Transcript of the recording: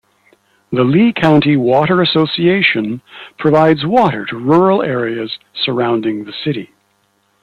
The Lee County Water Association provides water to rural areas surrounding the city.